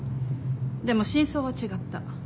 でも真相は違った。